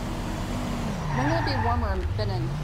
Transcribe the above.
When will it be warmer in Benin